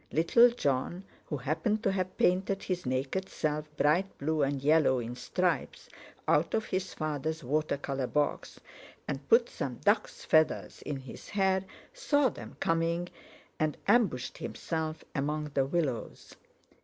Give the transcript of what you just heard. Little Jon, who happened to have painted his naked self bright blue and yellow in stripes out of his father's water colour box, and put some duck's feathers in his hair, saw them coming, and—ambushed himself among the willows.